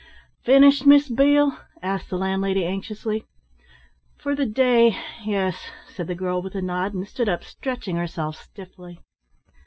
"Finished, Miss Beale?" asked the landlady anxiously. "For the day, yes," said the girl with a nod, and stood up stretching herself stiffly.